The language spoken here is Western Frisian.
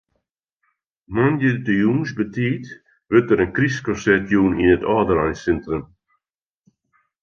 Moandei de jûns betiid wurdt der in krystkonsert jûn yn it âldereinsintrum.